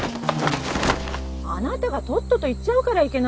あなたがとっとと行っちゃうからいけないのよ！